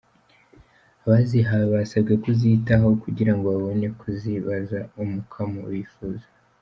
Abazihawe basabwe kuzitaho, kugira ngo babone kuzibaza umukamo bifuza.